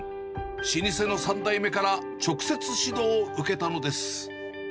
老舗の３代目から直接指導を受けたのです。